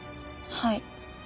はい。